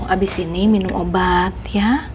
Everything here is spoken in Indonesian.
abis ini minum obat ya